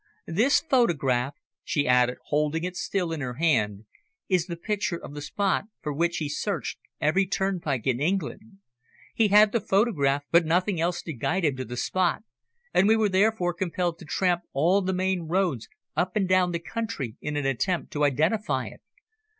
This photograph," she added, holding it still in her hand, "is the picture of the spot for which he searched every turnpike in England. He had the photograph but nothing else to guide him to the spot, and we were therefore compelled to tramp all the main roads up and down the country in an attempt to identify it.